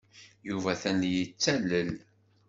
Yuba atan la yettalel.